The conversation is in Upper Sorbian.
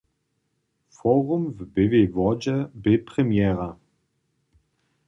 Forum w Běłej Wodźe bě premjera.